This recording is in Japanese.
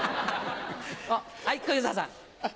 はい小遊三さん。